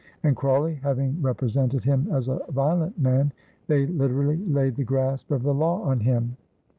And, Crawley having represented him as a violent man, they literally laid the grasp of the law on him.